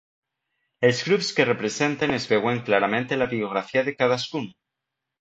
Els grups que representen es veuen clarament en la biografia de cadascun.